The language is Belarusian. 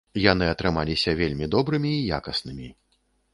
Яны атрымаліся вельмі добрымі і якаснымі.